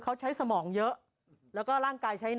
ของเยอะแล้วก็ร่างกายใช้น้อย